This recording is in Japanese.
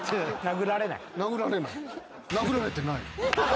殴られない。